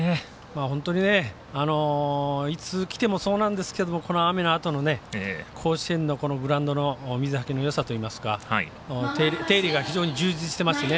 本当にいつ来てもそうなんですけど雨のあとの甲子園のグラウンドの水はけのよさというか手入れが非常に充実していますね。